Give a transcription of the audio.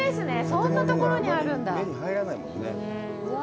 そんなところにあるんだ。